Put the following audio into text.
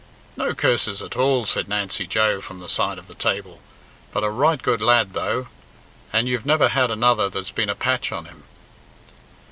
"No curses at all," said Nancy Joe, from the side of the table, "but a right good lad though, and you've never had another that's been a patch on him."